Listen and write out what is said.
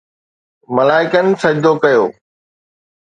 ملائڪن سجدو ڪيو